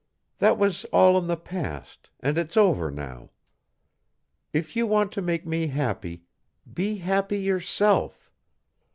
That was all in the past, and it's over now. If you want to make me happy, be happy yourself.